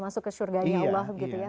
masuk ke syurganya allah gitu ya iya